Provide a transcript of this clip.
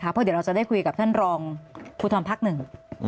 เพราะเดี๋ยวเราจะได้คุยกับท่านรองภูทรภักดิ์หนึ่ง